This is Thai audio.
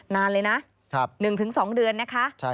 นานเลยนะ๑๒เดือนนะคะ